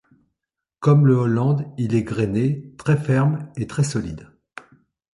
Comme le hollande, il est grené, très ferme et très solide.